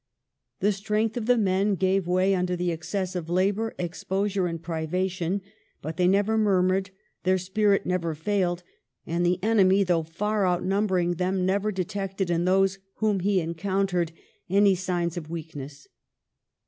The strength of the men gave way under the excessive labour, exposure, and privation ; but they never murmured, their spirit never failed, and the enemy, though far outnumbering them, never detected in those whom he encountered any signs of weakness.